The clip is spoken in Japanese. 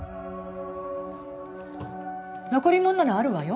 残り物ならあるわよ。